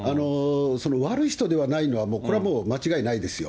悪い人ではないのは、これはもう、間違いないですよ。